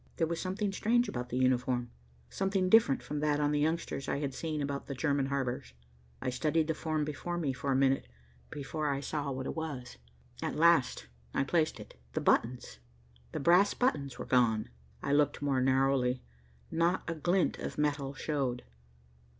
There was something strange about the uniform, something different from that on the youngsters I had seen about German harbors. I studied the form before me for a minute before I saw what it was. At last I placed it. The buttons, the brass buttons were gone. I looked more narrowly. Not a glint of metal showed.